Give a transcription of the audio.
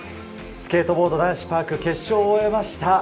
スケートボード男子パーク決勝を終えました。